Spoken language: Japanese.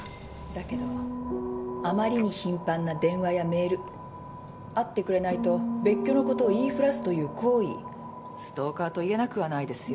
だけどあまりに頻繁な電話やメール会ってくれないと別居のことを言いふらすという行為ストーカーと言えなくはないですよ。